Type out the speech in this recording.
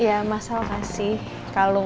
ya mas lel kasih kalung